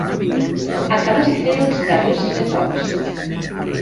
Acabar de fer els darrers retocs.